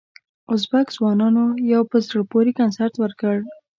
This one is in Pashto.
ازبک ځوانانو یو په زړه پورې کنسرت ورکړ.